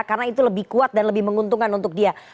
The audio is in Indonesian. karena itu lebih kuat dan lebih menguntungkan untuk dia